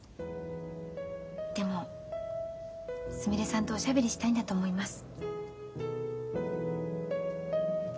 でもすみれさんとおしゃべりしたいんだと思います。